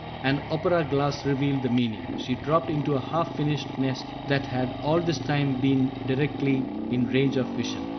An opera glass revealed the meaning; she dropped into a half finished nest that had all this time been directly in range of vision.